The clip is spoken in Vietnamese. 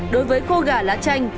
đối với khô gà lá chanh